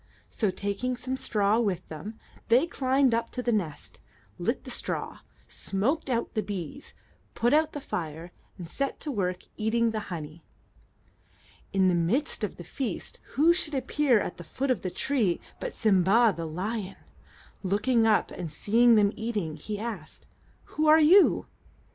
So, taking some straw with them, they climbed up to the nest, lit the straw, smoked out the bees, put out the fire, and set to work eating the honey. In the midst of the feast, who should appear at the foot of the tree but Sim'ba, the lion? Looking up, and seeing them eating, he asked, "Who are you?"